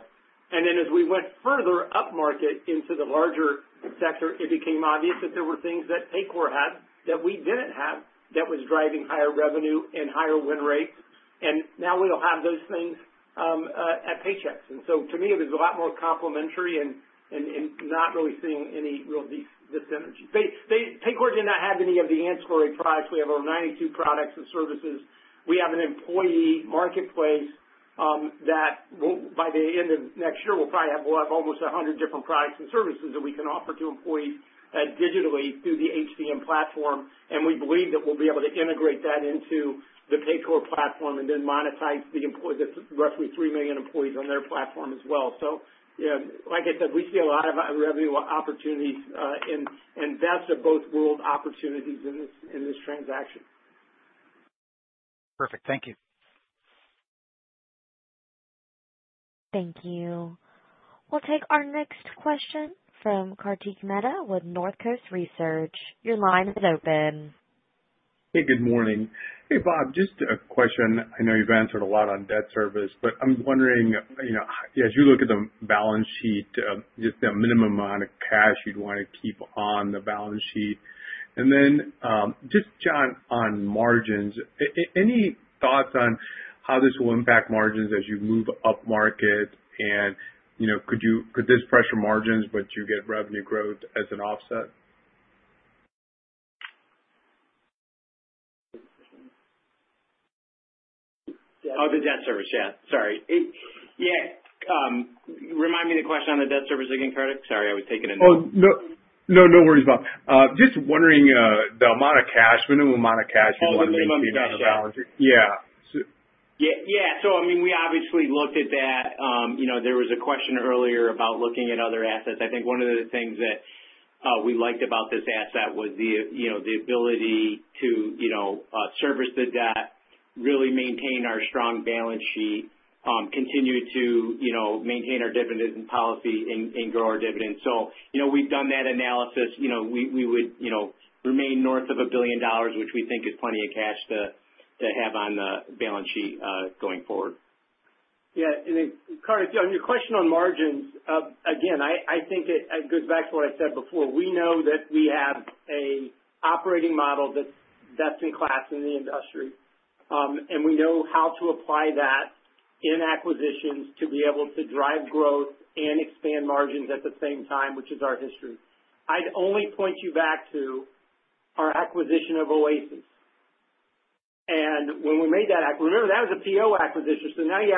[SPEAKER 3] and then as we went further up market into the larger sector, it became obvious that there were things that Paycor had that we didn't have that was driving higher revenue and higher win rates, and now we'll have those things at Paychex, and so to me, it was a lot more complementary and not really seeing any real synergy. Paycor did not have any of the ancillary products. We have over 92 products and services. We have an employee marketplace that by the end of next year, we'll probably have almost 100 different products and services that we can offer to employees digitally through the HCM platform. And we believe that we'll be able to integrate that into the Paycor platform and then monetize the roughly 3 million employees on their platform as well. So like I said, we see a lot of revenue opportunities and best of both worlds opportunities in this transaction.
[SPEAKER 15] Perfect. Thank you.
[SPEAKER 1] Thank you. We'll take our next question from Kartik Mehta with North Coast Research. Your line is open.
[SPEAKER 16] Hey, good morning. Hey, Bob, just a question. I know you've answered a lot on debt service, but I'm wondering, as you look at the balance sheet, just the minimum amount of cash you'd want to keep on the balance sheet. And then just, John, on margins, any thoughts on how this will impact margins as you move up market? And could this pressure margins, but you get revenue growth as an offset?
[SPEAKER 2] Oh, the debt service. Yeah. Sorry. Yeah. Remind me the question on the debt service again, Kartik. Sorry, I was taking a note.
[SPEAKER 16] Oh, no, no worries, Bob. Just wondering, the amount of cash, minimum amount of cash you want to be seeing on the balance sheet. Yeah.
[SPEAKER 2] Yeah. So I mean, we obviously looked at that. There was a question earlier about looking at other assets. I think one of the things that we liked about this asset was the ability to service the debt, really maintain our strong balance sheet, continue to maintain our dividends and policy and grow our dividends. So we've done that analysis. We would remain north of $1 billion, which we think is plenty of cash to have on the balance sheet going forward.
[SPEAKER 3] Yeah. And Kartik, on your question on margins, again, I think it goes back to what I said before. We know that we have an operating model that's best in class in the industry. And we know how to apply that in acquisitions to be able to drive growth and expand margins at the same time, which is our history. I'd only point you back to our acquisition of Oasis. And when we made that acquisition, remember, that was a PEO acquisition. So now you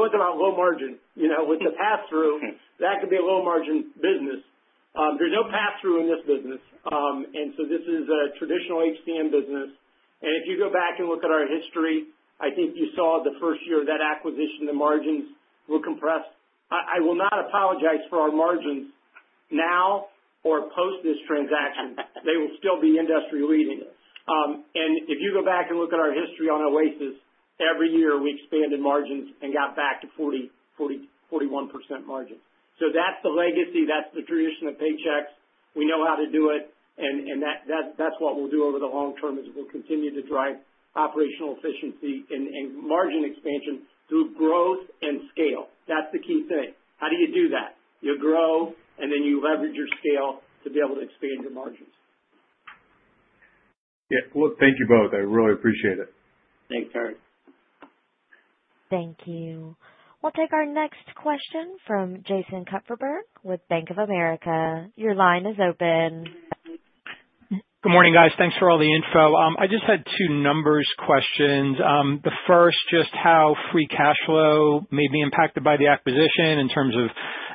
[SPEAKER 3] wanted to have a low margin. With the pass-through, that could be a low margin business. There's no pass-through in this business. And so this is a traditional HCM business. And if you go back and look at our history, I think you saw the first year of that acquisition, the margins were compressed. I will not apologize for our margins now or post this transaction. They will still be industry leading, and if you go back and look at our history on Oasis, every year we expanded margins and got back to 41% margins, so that's the legacy. That's the tradition of Paychex. We know how to do it, and that's what we'll do over the long term is we'll continue to drive operational efficiency and margin expansion through growth and scale. That's the key thing. How do you do that? You grow, and then you leverage your scale to be able to expand your margins.
[SPEAKER 16] Yeah. Well, thank you both. I really appreciate it.
[SPEAKER 2] Thanks, Eric.
[SPEAKER 1] Thank you. We'll take our next question from Jason Kupferberg with Bank of America. Your line is open.
[SPEAKER 17] Good morning, guys. Thanks for all the info. I just had two numbers questions. The first, just how free cash flow may be impacted by the acquisition in terms of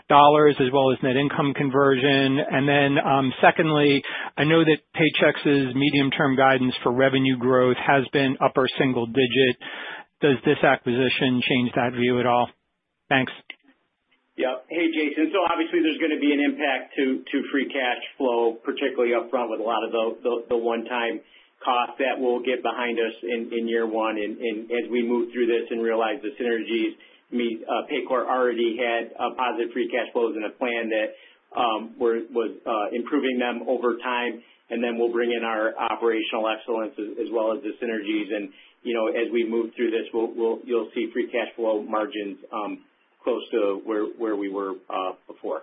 [SPEAKER 17] dollars as well as net income conversion? And then secondly, I know that Paychex's medium-term guidance for revenue growth has been upper single digit. Does this acquisition change that view at all? Thanks.
[SPEAKER 2] Yeah. Hey, Jason. So obviously, there's going to be an impact to free cash flow, particularly upfront with a lot of the one-time costs that we'll get behind us in year one as we move through this and realize the synergies. Paycor already had positive free cash flows in a plan that was improving them over time. And then we'll bring in our operational excellence as well as the synergies. And as we move through this, you'll see free cash flow margins close to where we were before.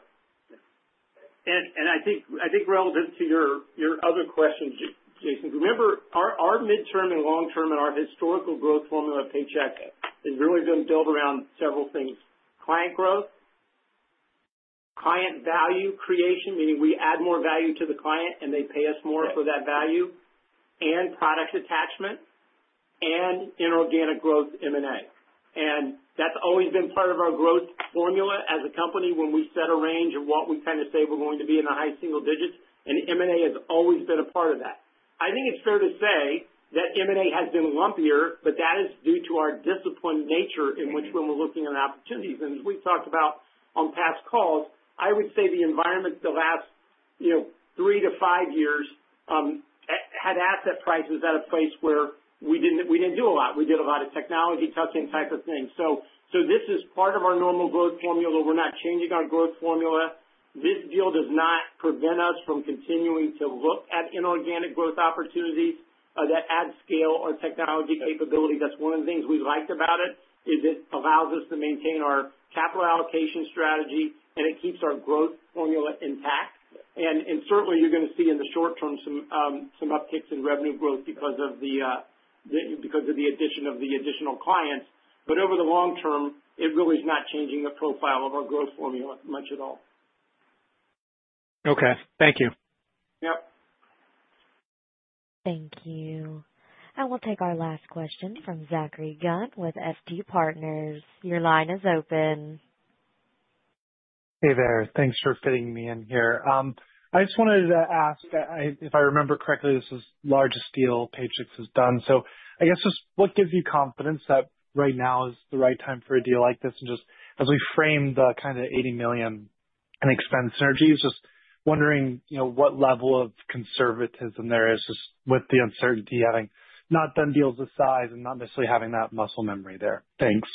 [SPEAKER 3] And I think relative to your other questions, Jason, remember our midterm and long-term and our historical growth formula at Paychex has really been built around several things: client growth, client value creation, meaning we add more value to the client and they pay us more for that value, and product attachment and inorganic growth, M&A. And that's always been part of our growth formula as a company when we set a range of what we kind of say we're going to be in the high single digits. And M&A has always been a part of that. I think it's fair to say that M&A has been lumpier, but that is due to our disciplined nature in which when we're looking at opportunities. And as we've talked about on past calls, I would say the environment the last three to five years had asset prices at a place where we didn't do a lot. We did a lot of technology tuck-in type of things. So this is part of our normal growth formula. We're not changing our growth formula. This deal does not prevent us from continuing to look at inorganic growth opportunities that add scale or technology capability. That's one of the things we liked about it is it allows us to maintain our capital allocation strategy, and it keeps our growth formula intact. And certainly, you're going to see in the short term some upticks in revenue growth because of the addition of the additional clients. But over the long term, it really is not changing the profile of our growth formula much at all.
[SPEAKER 17] Okay. Thank you.
[SPEAKER 1] Thank you, and we'll take our last question from Zachary Gunn with Stephens Inc. Your line is open.
[SPEAKER 18] Hey there. Thanks for fitting me in here. I just wanted to ask that if I remember correctly, this is largest deal Paychex has done. So I guess just what gives you confidence that right now is the right time for a deal like this? And just as we frame the kind of $80 million in expense synergies, just wondering what level of conservatism there is just with the uncertainty of having not done deals this size and not necessarily having that muscle memory there. Thanks.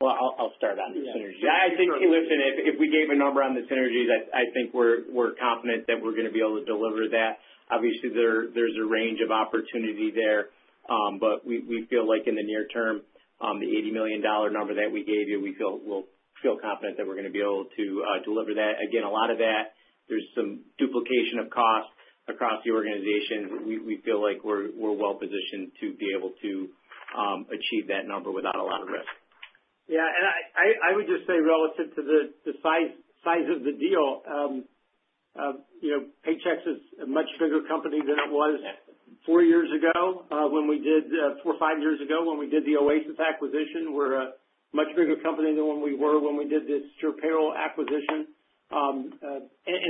[SPEAKER 2] I'll start on the synergies. I think, listen, if we gave a number on the synergies, I think we're confident that we're going to be able to deliver that. Obviously, there's a range of opportunity there, but we feel like in the near term, the $80 million number that we gave you, we feel confident that we're going to be able to deliver that. Again, a lot of that, there's some duplication of cost across the organization. We feel like we're well positioned to be able to achieve that number without a lot of risk.
[SPEAKER 3] Yeah. And I would just say relative to the size of the deal, Paychex is a much bigger company than it was four years ago when we did four or five years ago when we did the Oasis acquisition. We're a much bigger company than when we were when we did this payroll acquisition. And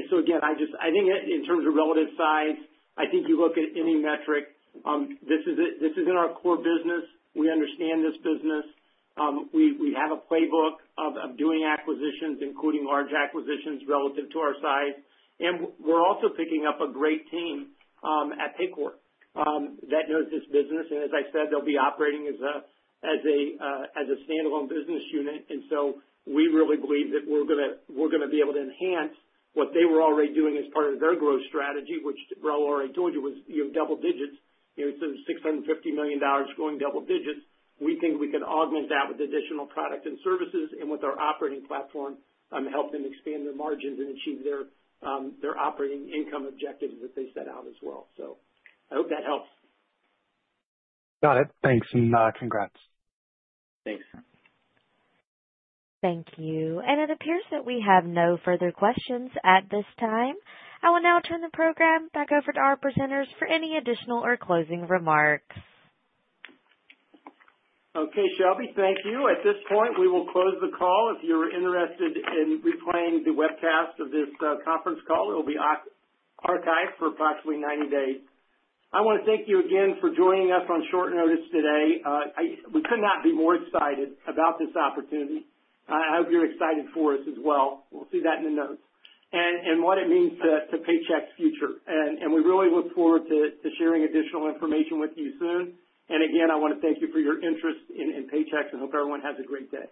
[SPEAKER 3] so again, I think in terms of relative size, I think you look at any metric. This is in our core business. We understand this business. We have a playbook of doing acquisitions, including large acquisitions relative to our size. And we're also picking up a great team at Paycor that knows this business. And as I said, they'll be operating as a standalone business unit. And so we really believe that we're going to be able to enhance what they were already doing as part of their growth strategy, which Raul already told you was double digits. Instead of $650 million going double digits, we think we can augment that with additional product and services and with our operating platform to help them expand their margins and achieve their operating income objectives that they set out as well. So I hope that helps.
[SPEAKER 18] Got it. Thanks and congrats.
[SPEAKER 2] Thanks.
[SPEAKER 1] Thank you. And it appears that we have no further questions at this time. I will now turn the program back over to our presenters for any additional or closing remarks.
[SPEAKER 3] Okay. Shelby, thank you. At this point, we will close the call. If you're interested in replaying the webcast of this conference call, it will be archived for approximately 90 days. I want to thank you again for joining us on short notice today. We could not be more excited about this opportunity. I hope you're excited for us as well. We'll see that in the notes and what it means to Paychex's future, and we really look forward to sharing additional information with you soon, and again, I want to thank you for your interest in Paychex and hope everyone has a great day.